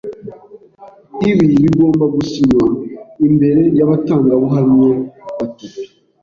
Ibi bigomba gusinywa imbere yabatangabuhamya batatu.